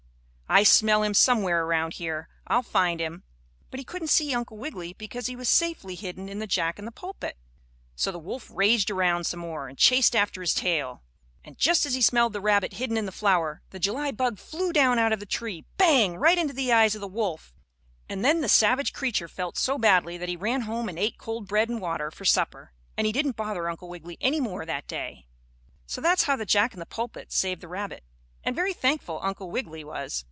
I smell him somewhere around here! I'll find him!" But he couldn't see Uncle Wiggily because he was safely hidden in the Jack in the pulpit. So the wolf raged around some more and chased after his tail, and just as he smelled the rabbit hidden in the flower, the July bug flew down out of the tree, bang! right into the eyes of the wolf, and then the savage creature felt so badly that he ran home and ate cold bread and water for supper, and he didn't bother Uncle Wiggily any more that day. So that's how the Jack in the pulpit saved the rabbit and very thankful Uncle Wiggily was.